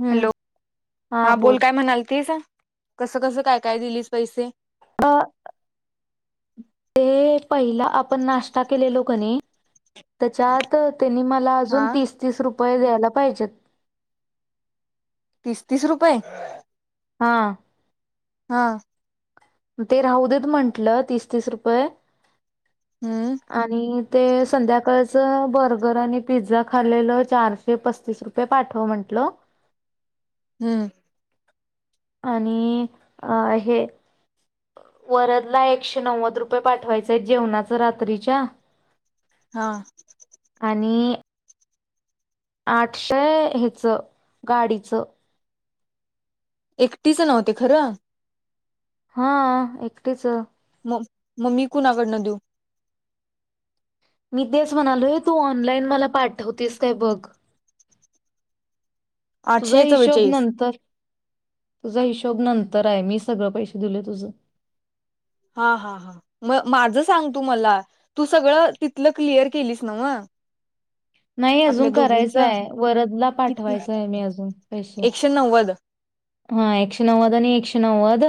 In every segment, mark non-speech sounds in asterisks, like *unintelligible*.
हम्म हॅलो हा बोल काय म्हणाल त स कसं कसं काय काय दिलीस पैसे ब ते पहिला आपण नाश्ता केलोलोकनी त्याच्यात त्यांनी मला हा अजून तीस तीस रुपये द्यायला पाहिजेत. पिस्तीस रुपये. हा हा ते राहू देत म्हंटलं तीस तीस रुपये हम्म आणि ते संध्याकाळच बर्गर आणि पिझ्झा खालेलं चारशे पस्तीस रुपये पाठव म्हणते. हॅलो, हम्म आणि अ हे वरद ला एकशे नव्वद रुपये पाठवायचे आहेत जेवणाचं रात्रीच्या हा, आणि आठशे ह्याचं गाडीचं एकटीचं नव्हते खरं हा एकटीच, म मग मी कणाकडनं देऊ. मी तेच म्हणालोय तू ऑनलाईन मला पाठवतेस काय बघ तुझा आठशे हिशोब चव्वेचाळीस नंतर तुझा हिशोब नंतर आहे, मी सगळं पैसे दिले तुझं हा-हा हां! म माझं सांग तू मला तू सगळं तिथलं क्लिअर केलीस ना व नाही अजून करायचय वरदला किती पाठवायचंय मी अजून पैसे एकशे नव्वद हा एकशे नव्वद आणि एकशे नव्वद.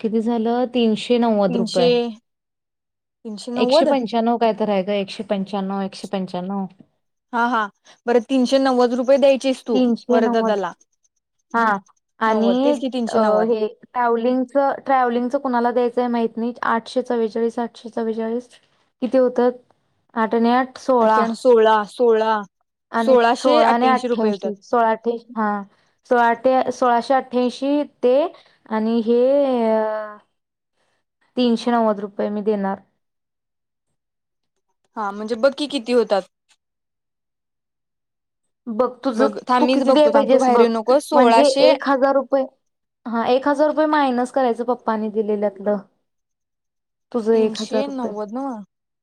किती झालं तीनशे नव्वद तीनशे रुपये, तीनशे एकशे नव्वद पंच्याण्व काय तरय का एकशे पंच्याण्णव एकशे पंच्याण्णव. हा-हा बर तीनशे नव्वद रुपये द्यायचीस तू तीनशे वर नव्वद दादाला. हा आणि नव्वद हे टॅव्हलिंग-ट्रॅव्हलिंग कणाला द्यायचं. मा आठशे चववेचाळीस आठशे चव्वेचाळी किती होत आठ आणि आठ सोळा अठ्ठ्याण्णव सोळा सोळा आणि सोळाशे सोळा आणि आठ, अठ्ठ्याऐंशी रुपये होतात सोळाे हा सोळा सोळाशे अठ्ठ्यांशी ते आणि हे तीनशे नव्वद रुपये मी देणार. हा म्हणजे बक्की किती होतात. बघ तुझं थांब तू मीच किती द्याय बघतो थांब तू पाहिजेस बाहेर बघ येऊ नको म्हणजे सोळाशे एक हजार रुपये, हा एक हजार रुपये मायनस करायचं पप्पानी दिलेल्यातलं. तुझं एक हजार तीनशे रुपये, नव्वद नव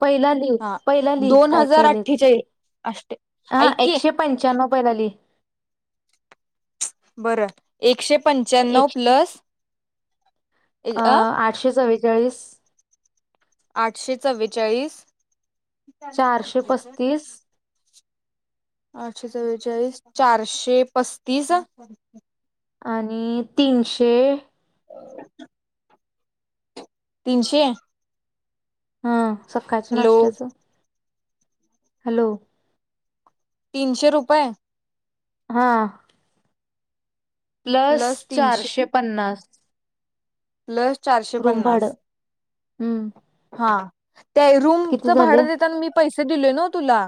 पहिला लिह हा पहिला लि दोन काय हजार केलंय अठ्ठेचाळीस ते, अष्टे हा ऐक की एकशे पंच्यान्नव पहिल लिह बरं एकशे पंच्याण्णव प्लस अ अं आठशे चव्वेचाळीस. आठशे चव्वेचाळीस. चारशे पस्तीस. आठशे चव्वेचाळीस चारशे पस्तीस आणि तीनशे, तीनशे. हा सकाळचं हॅलो नाश्त्याचं. हॅलो, तीनशे रुपये, हा, प्लस चारशे पन्नास. प्लस चारशे रूम भाडं पन्नास. हम्म, हा त्या रूमच किती झाले भाडं देताना मी पैसे दिले ना तुला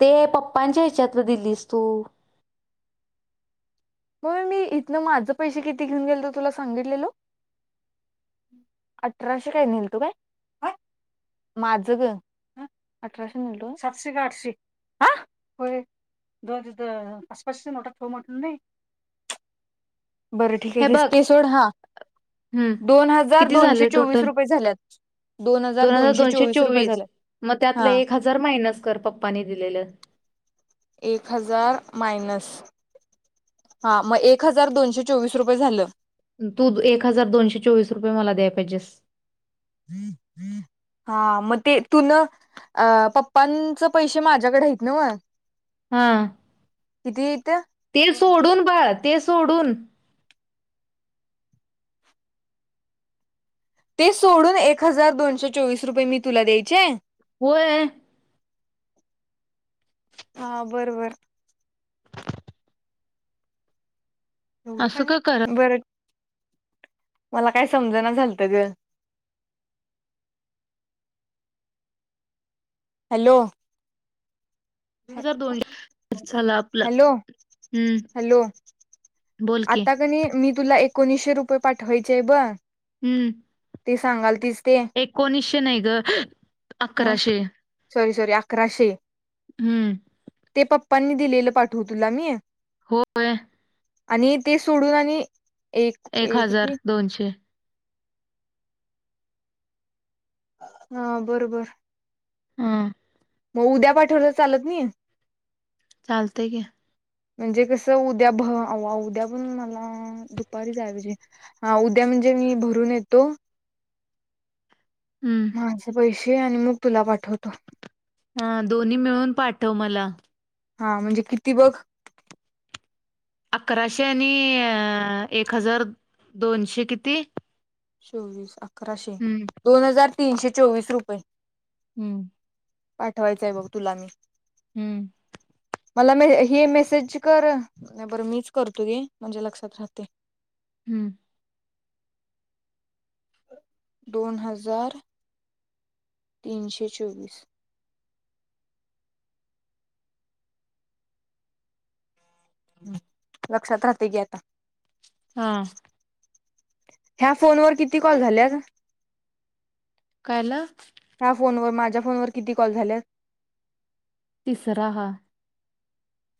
ते पप्पांच्या ह्याच्यातल दिलस तू, मग मी इथनं माझं पैसे किती घेऊन गेलतो तुला सांगितलेलो. अठराशे काय न्हेलतो काय? माझं ग ह अठराशे *unintelligible* सातशे का आठशे हा होय, *unintelligible* आसपासच्या नोटा ठेव म्हटला नहीं, बर ठीक आहे हे किस बघ ते सोड हा हम्म दोन हजार किती दोनशे झाले चोवीस टोटल रुपये झाल्यात. दोन हजार दोनशे चोवीस. मग हा त्यातलं एक हजार मायनस कर पप्पाने दिलेलं, एक हजार मायनस हा मग एक हजार दोनशे चोवीस रुपये झालं तू एक हजार दोनशे चोवीस रुपये मला द्याय पाहिजेस *inaudible* हा मग ते तु न अ पप्पांच पैसे माझ्याकडे आहेत नव्ह हा येत ते दोन सोडून बाळ ते सोडून ते सोडून एक हजार दोनशे चोवीस रुपये मी तुला द्यायचे होय हा बर बर एवढ असं काय का करा हाय बरं मला काय समजण झालत ग हॅलो हजार दोनशे झाला आपला हॅलो हम्म हॅलो बोल की आता कणी मी तुला एकोणीशे रुपये पाठवायचे आहे ब हम्म ते सांगाल तीच ते एकोणीसशे नाही ग मग अकराशे सॉरी सॉरी अकराशे हम्म ते पप्पांनी दिलेलं पाठव तुला मी होय आणि ते सोडून आणि एक किती हा बरोबर हा मग उद्या पाठवलं चालत नाही चालतय की म्हणजे कस उद्या आवा उद्या पण मला दुपारी जाया पाहिजे हा उद्या म्हणजे मी भरून येतो हं. माझे पैसे आणि मग तुला पाठवतो हा दोन्ही मिळून पाठव मला हा म्हणजे किती बघ अकराशे आणि एक हजार दोनशे किती चोवीस अकराशे हं. दोन हजार तीनशे चोवीस रुपये हम्म पाठवायचंय बघ तुला मी हम्म मला म हे मेसेज कर नाही बरं मीच करतो घे म्हणजे लक्षात राहतय हम्म दोन हजार तीनशे चोवीस लक्षात राहते घे आता हा ह्या फोन वर किती कॉल झाल्यात कायला? ह्या फोनवर माझ्या फोनवर किती कॉल झाल्यात तिसरा हा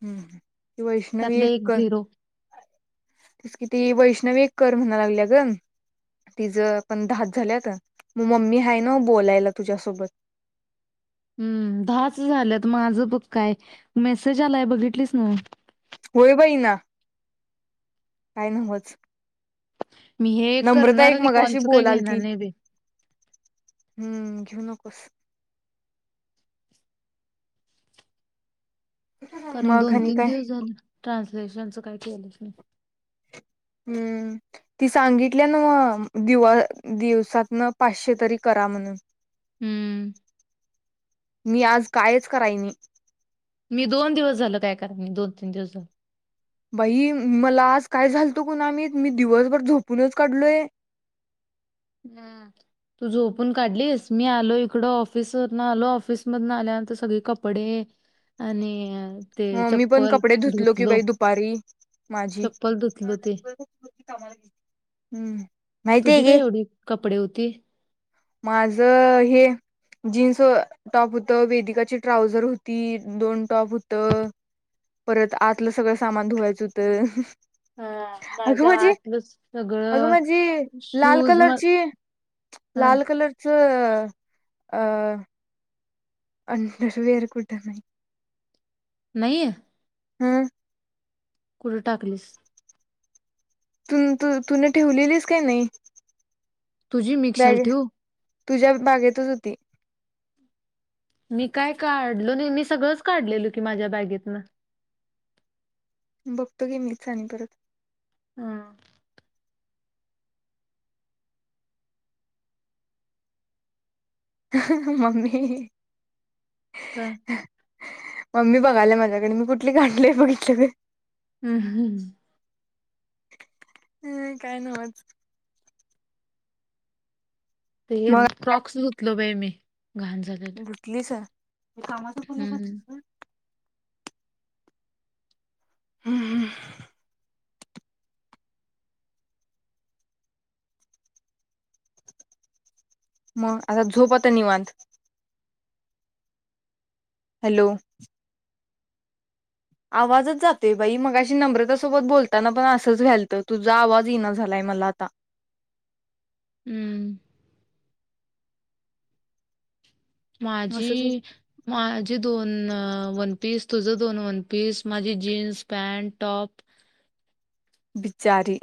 हम्म ती वैष्णवी त्यातलं एक झिरो. तेचं की ती वैष्णवी एक कर म्हणायाला लागल्या ग तिझं पण दहाचं झाल्यात मग मम्मी हाय न्हवं बोलायला तुझ्यासोबत *inaudible* हम्म दहाच झाल्यात माझं बघ काय मेसेज आलाय बघितलीस न्हवं होय बाई ना काय न्हवंच. मी हे नम्रता करणार एक आणि मगाशी कॉलचं काय घेणार बोलालती. नाही बाई. हम्म घेऊ नकोस कारण मग दोन आणि तीन काय दिवस झालं ट्रान्सलेशनचं काय केलंच नाही. हम्म. ती सांगितल्या न्हवं म दि दिवसातन पाचशे तरी करा म्हणून. हम्म. मी आज कायच कराय नाही. मी दोन दिवस झाल काय कराय नही मी दोन तीन दिवस झालं. बाई मला आज काय झालतं कुणाला माहीत दिवसभर झोपूनच काढलोय. *inaudible* ह तू झोपून काढलीस मी आलो इकड ऑफिसवरन आलो ऑफिस मधून आल्या सगळे कपडे आणि ते मग मी पण चप्पल कपडे धुतलो, कि बाई दुपारी माझी, चप्पल धुतलो ते हम्म. माहितीय तुझी काय की एवढी कपडे होती. माझं हे. जीन्स टॉप हूतं वेदिकाची ट्राऊझर होती दोन टॉप हुतं. परत आतलं सगळं सामान धुवायचं होतं. हा अगं माझं माझी आतलं अगं सगळं माझी लाल शूज म कलरची *inaudible* लाल कलरच अं अंडर वेर कुठ हाय नाहीय. हम्म कुढे टाकलीस. त तुून ठेवलेलीस काय नाही. तुझी मिक्शल बॅग ठेव. तुझ्या बागेतच होती. मी काय काढलो नाही मी सगळंच काढलेल की माझ्या बॅगेतन बघतो की मीच आणि परत. हम. ह मम्मी. का. मम्मी बघालाय माझ्याकडे मी कुठली काडलय बघितलं. हम्म हम्म हम् काय नव्हच. हे मग फ्रॉक्स ुतलो बाई मी. घाण झालेलं भुटलीस कामाच हम्म फलीसाठी हम हम मग आता झोप आता निवात. हॅलो. आवाजच जाते बाई मगाशी नम्रता सोबत बोलताना पण असंच व्हाल घ्यालतं तुझा आवाज येना झालाय मलाता हम्म माझी असंच माझी दोन वन पीस तुझं दोन वनपीस माझी जीन्स पॅन्ट टॉप बिचारी.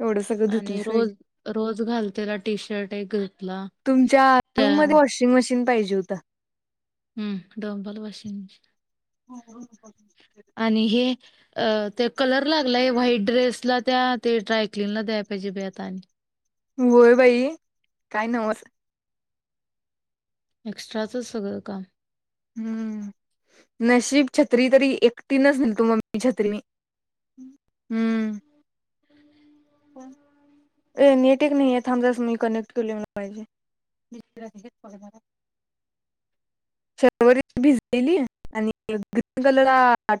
एवढं सगळं आणि धुतलीस व्हय रोज रोज घालतेला टी शर्ट एक धुतला तुमच्या रूम मध्ये वॉशिंग मशीन पाहिजे होतं. हम्म डंबल वाशीि आणि हे अ ते कलर लागलाय व्हाईट ड्रेसला त्या ते ट्रायक्लीनला द्याला पाहिजे ब आता आणि होय बाई काय नव्हत एक्स्ट्राचं सगळं काम हम्म नशीब छत्री तरी एकटीनच न तू मगी छत्री हम्म अ नेट एक नाही आहे थांबजच मी कनेक्ट केले मला पाहिजे मस्च क शर्वर भिजलेली आणि ग्रीन कलर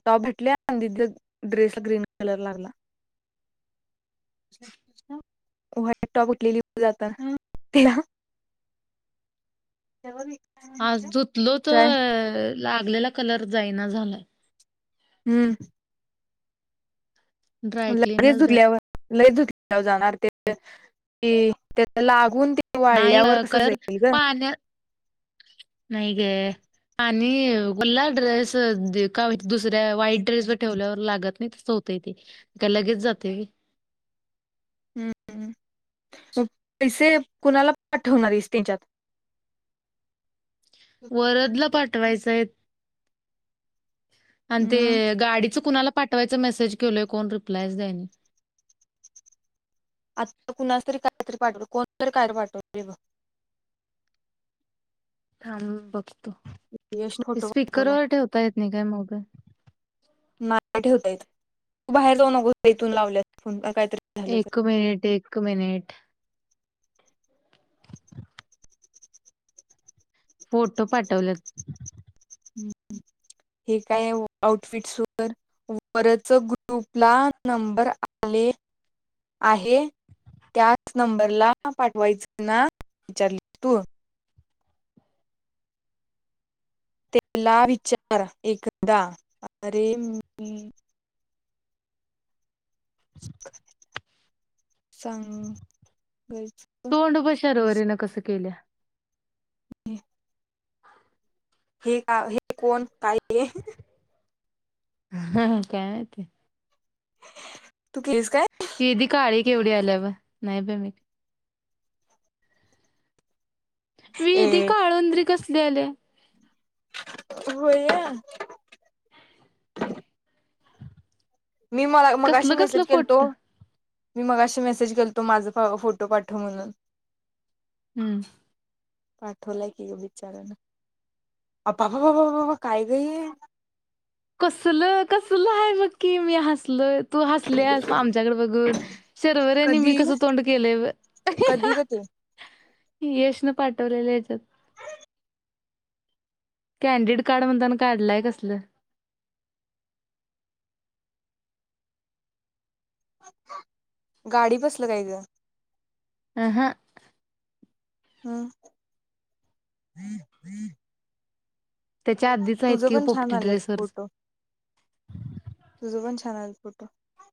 टॉप भेटले ड्रेस ग्रीन कलरलाला वट टॉप उठलेली जात तिला तेवी आज ुतलो तर लागलेला कलर जाईना झालाय हम्म ड्रायक्लीनलाच द्यायला म्हच ुरल्यावर ल दु जाणार ते की त्या लागून ते नाही वाळल्यावर कसं जाईल ग पाण्या नाही ग पा आणि मल्ला ड्रेस का दुसऱ्या वाईट ड्रेस ब ठेवल्यावर लागत नाही तसं होतय ते काय लगेच जातेी हम्म हम्म पैसे कुणाला पाठवणार आहेस तेंच्यात? वरदला पाठवायचयत. आणि मग ते गाडीच कुणाला पाठवायच मेसेज केल कोण रिप्लायच देईना आता कुणासरी कायतरी पाठव कोणतरी काय पाठवतय ब थांब बघतो, यशने फोटो पाठवलाय स्पीकरवर ठेवता येत नाही काय मोबाईल? ठेवतायू बाहेर जाऊ नको इथून लावल्याय एक मिनिट, एक मिनिट, फोटो पाठवल्यत हम हे काय आउटफिट व वरच ग्रुपला नंबर ले आहे त्याच नंबरला पाठवायच ना विचारली तू? तेला विचारा एकदा अरे मी सां तोंड प शरवरे ने कसं केल्या? *unintelligible* हे हे कोण काय ये? हा हा काये ते? तू केस काय किधी काडही केवढ्याल्याला व नाही प म ए विहिधी काळुंद्री कसली आले? होयया मी, मला मगाशी कसलं कसलं मेसेज केलतो. फोडतं मी मगाशी मेसेज केलतो माझ फोटो पाठव म्हणून हम्म पाठवलाय कि यो विचाराणा? अ पपा पपापा पपा काय ग ये? कसल, कसल आहे बघ की मी हसल तू हसलीयास आमच्याकडे बघून, शर्वरे न मी कधी कस तोंड केलय ब कधी ग ते यश न पाठवलेल ह्याच्यात कॅनडिड काढ म्हणत ना काढलय कसल. गाडी बसल काय ग? आहा *unintelligible* त्याच्या आधीच आहेत तुझ की पण छान पोपटी आलत ड्रेसवरच फोटो, तुझ पण छान आल फोटो,